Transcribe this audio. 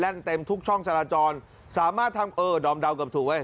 เต็มทุกช่องจราจรสามารถทำเออดอมเดาเกือบถูกเว้ย